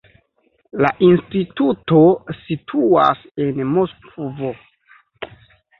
La instituto situas en Moskvo.